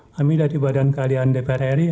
kami dari badan keadilan dpr ri hadir dan berkata